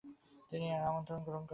তিনি তার আমন্ত্রণ গ্রহণ করেন।